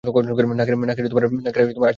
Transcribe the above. নাকের আচিলটা সরিয়ে নাও।